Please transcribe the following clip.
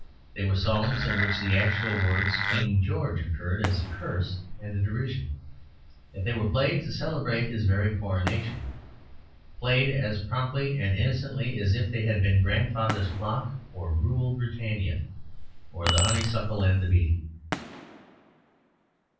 They were songs in which the actual words "King George" occurred as a curse and a derision. Yet they were played to celebrate his very Coronation; played as promptly and innocently as if they had been "Grandfather's Clock" or "Rule Britannia" or "The Honeysuckle and the Bee."